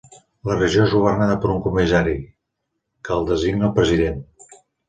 La regió és governada per un comissari, que el designa el president.